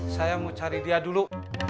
saya mau cari dia dulu